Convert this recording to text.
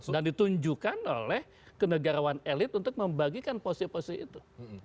dan ditunjukkan oleh kenegarawan elit untuk membagikan posisi posisi itu